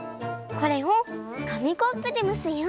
これをかみコップで蒸すよ！